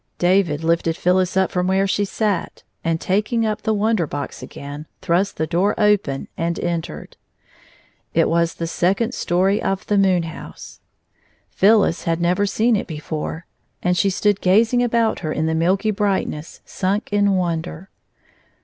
David Ufted Phyllis up jfrom where she sat, and taking up the Wonder Box again, thrust the door open and entered. ....•• It was the second story of the moon house. ...... Phyllis had never seen it before, and she stood gazing about her in the milky brightness, sunk in wonder.